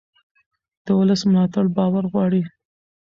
د ولس ملاتړ باور غواړي